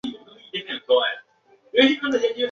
大西洋冲浪马珂蛤为马珂蛤科马珂蛤属下的一个种。